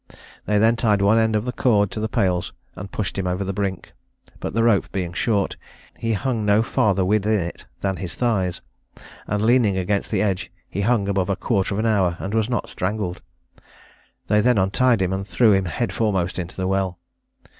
They then tied one end of the cord to the pales and pushed him over the brink; but the rope being short, he hung no farther within it than his thighs, and leaning against the edge, he hung above a quarter of an hour and was not strangled. They then untied him, and threw him head foremost into the well.